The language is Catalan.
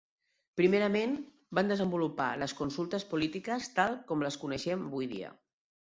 Primerament, van desenvolupar les consultes polítiques tal com les coneixem avui dia.